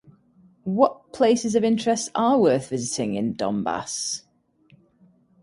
What places of interest are worth visiting in Donbass?